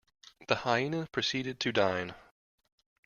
The hyena proceeded to dine.